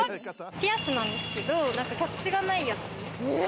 ピアスなんですけど、キャッチがないやつ。